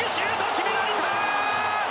決められた！